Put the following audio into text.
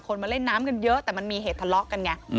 มาเล่นน้ำกันเยอะแต่มันมีเหตุทะเลาะกันไง